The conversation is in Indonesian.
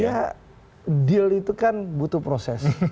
ya deal itu kan butuh proses